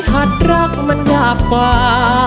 หัดรักมันหากว่า